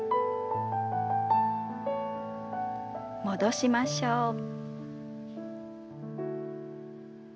戻しましょう。